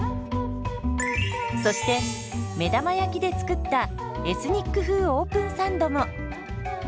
そして目玉焼きで作ったエスニック風オープンサンドも。